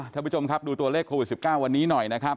ทุกคนดูตัวเลขโควิด๑๙วันนี้หน่อย